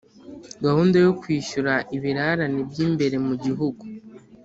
gahunda yo kwishyura ibirarane by'imbere mu gihugu,